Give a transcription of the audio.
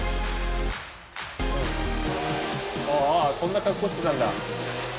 ああそんな格好してたんだ。